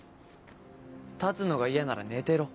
立つのが嫌なら寝てろ。